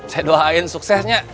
saya doain suksesnya